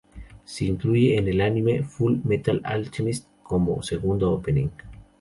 Se incluye en el anime Full Metal Alchemist como segundo opening.